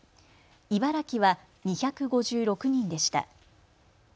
茨城は２５６人でした。